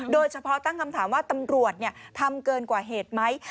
โดยเฉพาะตั้งคำถามว่าตำรวจทำเกินกว่าเหตุไหม